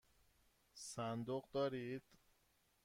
صندوق دارید؟